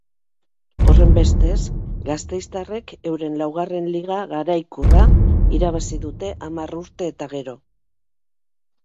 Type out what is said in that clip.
Horrenbestez, gasteiztarrek euren laugarren liga garaikurra irabazi dute hamar urte eta gero.